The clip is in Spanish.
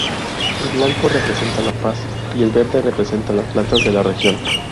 El blanco representa la paz y el verde representa las plantas de la región.